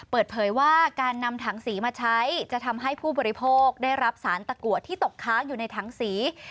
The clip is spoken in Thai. เปิดเผยว่าการนำถังสีมาใช้จะทำให้ผู้บริโภคได้รับสารตะกัวที่ตกค้างอยู่ในถังสี